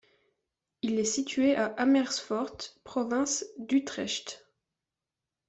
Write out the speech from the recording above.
Il est situé à Amersfoort, province d'Utrecht.